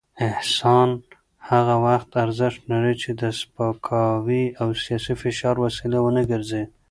احسان هغه وخت ارزښت لري چې د سپکاوي او سياسي فشار وسیله ونه ګرځي.